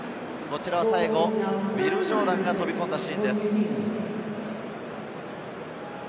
最後、ウィル・ジョーダンが飛び込んだシーンです。